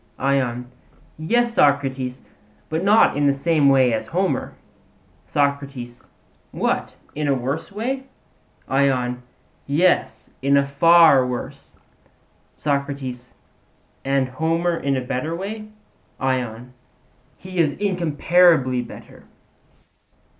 ION: Yes, Socrates; but not in the same way as Homer. SOCRATES: What, in a worse way? ION: Yes, in a far worse. SOCRATES: And Homer in a better way? ION: He is incomparably better.